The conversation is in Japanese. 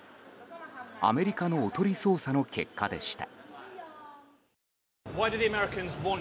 アメリカのおとり捜査の結果でした。